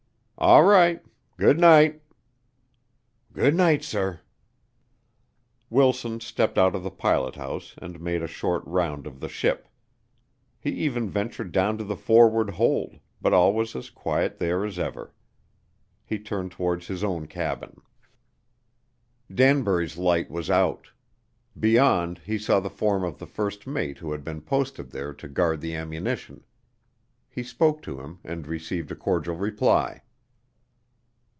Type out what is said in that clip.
"All right. Good night." "Good night, sir." Wilson stepped out of the pilot house and made a short round of the ship. He even ventured down to the forward hold, but all was as quiet there as ever. He turned towards his own cabin. Danbury's light was out. Beyond he saw the form of the first mate who had been posted there to guard the ammunition. He spoke to him and received a cordial reply.